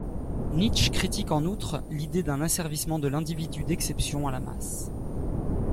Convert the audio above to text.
Nietzsche critique en outre l'idée d'un asservissement de l'individu d'exception à la masse.